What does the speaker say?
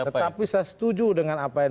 tetapi saya setuju dengan apa yang